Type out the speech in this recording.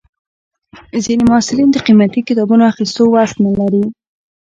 ځینې محصلین د قیمتي کتابونو اخیستو وس نه لري.